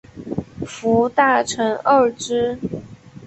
副大臣贰之。